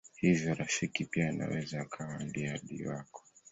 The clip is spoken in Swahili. Hivyo rafiki pia anaweza akawa ndiye adui wako.